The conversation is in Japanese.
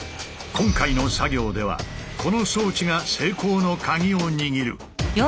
今回の作業ではこの装置が成功の鍵を握る。